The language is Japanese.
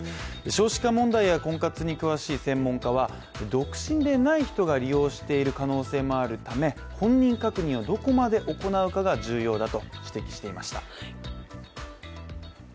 少子化問題や婚活に詳しい専門家は独身でない人が利用している可能性もあるため本人確認をどこまで行うかが重要だと指摘していました。